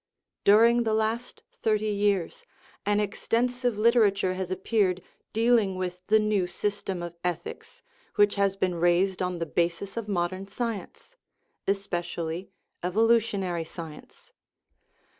During the last thirty years an extensive litera ture has appeared dealing with the new system of ethics which has been raised on the basis of modern science especially evolutionary science.